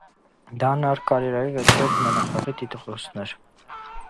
Դա նար կարիերայու վեցերորդ մենախաղի տիտղոսն էր։